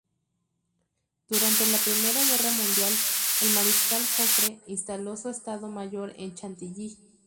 Durante la Primera Guerra Mundial, el Mariscal Joffre instaló su Estado Mayor en Chantilly.